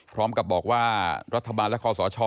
พร้อมกับบอกว่ารัฐบาลและคอสช